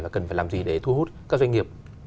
là cần phải làm gì để thu hút các doanh nghiệp